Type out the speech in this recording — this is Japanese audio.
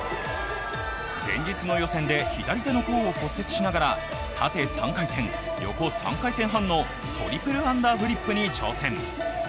前日の予選で左手の甲を骨折しながら縦３回転・横３回転半のトリプルアンダーフリップに挑戦。